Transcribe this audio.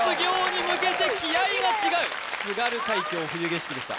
「津軽海峡・冬景色」でした